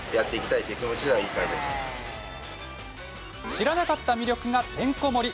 知らなかった魅力がてんこ盛り！